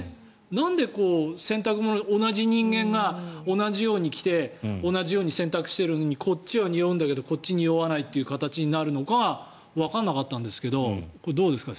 なんでこう洗濯物、同じ人間が同じように着て同じように洗濯してるのにこっちはにおうんだけどこっちはにおわないという形になるのかがわからなかったんですけどこれ、どうですか？